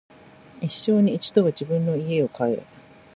一生に一度は自分の家を買え